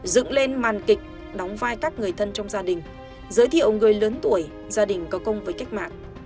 dựng lên màn kịch đóng vai các người thân trong gia đình giới thiệu người lớn tuổi gia đình có công với cách mạng